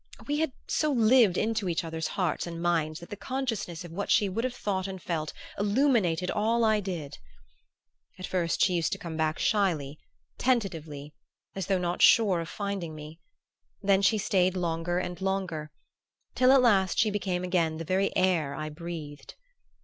We had so lived into each other's hearts and minds that the consciousness of what she would have thought and felt illuminated all I did. At first she used to come back shyly, tentatively, as though not sure of finding me; then she stayed longer and longer, till at last she became again the very air I breathed....